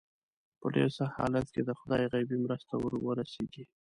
په ډېر سخت حالت کې د خدای غیبي مرسته ور ورسېږي.